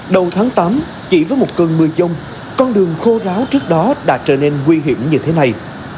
đầu tháng tám chỉ với một cơn mưa dông con đường khô ráo trước đó đã trở nên nguy hiểm như thế này